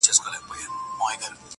وارخطا سو ویل څه غواړې په غره کي؛